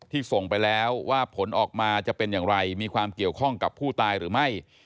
ส่งไปแล้วว่าผลออกมาจะเป็นอย่างไรมีความเกี่ยวข้องกับผู้ตายหรือไม่